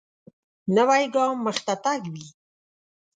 نوی ګام مخته تګ وي